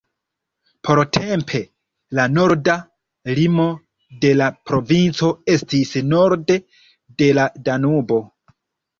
Portempe, la norda limo de la provinco estis norde de la Danubo.